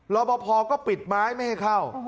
รอปภก็ปิดไม้ไม่ให้เข้า